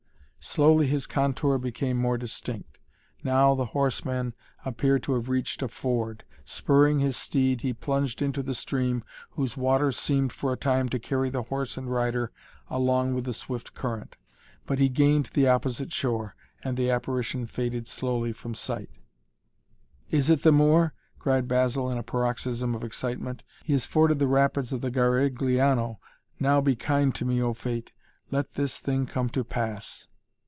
Slowly his contour became more distinct. Now the horseman appeared to have reached a ford. Spurring his steed, he plunged into the stream whose waters seemed for a time to carry horse and rider along with the swift current. But he gained the opposite shore, and the apparition faded slowly from sight. "It is the Moor!" cried Basil in a paroxysm of excitement. "He has forded the rapids of the Garigliano. Now be kind to me O Fate let this thing come to pass!"